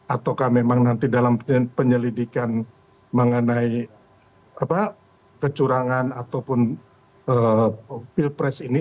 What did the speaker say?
ataukah memang nanti dalam penyelidikan mengenai kecurangan ataupun pilpres ini